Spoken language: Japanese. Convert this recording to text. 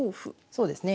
そうですね